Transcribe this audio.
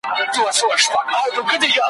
چا نذرونه خیراتونه ایښودله `